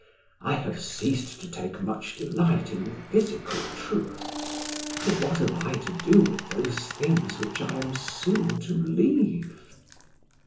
I have ceased to take much delight in physical truth; for what have I to do with those things which I am soon to leave?"